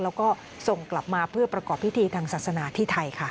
แล้วก็ส่งกลับมาเพื่อประกอบพิธีทางศาสนาที่ไทยค่ะ